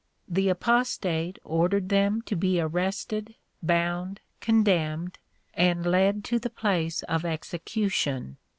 The Apostate ordered them to be arrested, bound, con demned, and led to the place of execution.